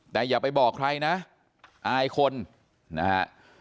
แต่อย่าไปบอกใครนะอายคนนะฮะ